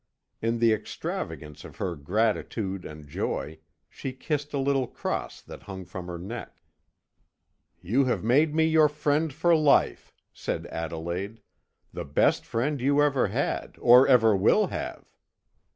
In the extravagance of her gratitude and joy, she kissed a little cross that hung from her neck. "You have made me your friend for life," said Adelaide, "the best friend you ever had, or ever will have."